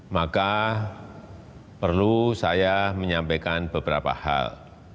maka perlu saya menyampaikan beberapa hal